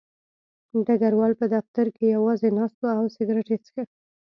ډګروال په دفتر کې یوازې ناست و او سګرټ یې څښه